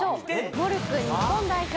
モルック日本代表